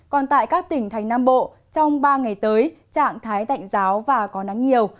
còn tại các tỉnh thành nam bộ trong ba ngày tới trạng thái tạnh giáo và có nắng nhiều